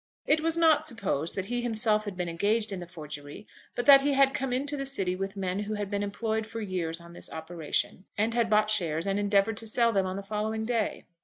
It was not supposed that he himself had been engaged in the forgery, but that he had come into the city with men who had been employed for years on this operation, and had bought shares and endeavoured to sell them on the following day.